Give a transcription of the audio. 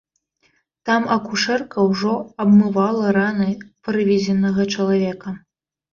Там акушэрка ўжо абмывала раны прывезенага чалавека.